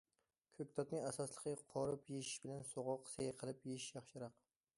كۆكتاتنى ئاساسلىقى قورۇپ يېيىش بىلەن سوغۇق سەي قىلىپ يېيىش ياخشىراق.